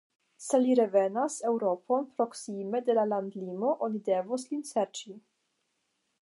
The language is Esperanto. Se li revenas Eŭropon, proksime de la landlimo oni devos lin serĉi.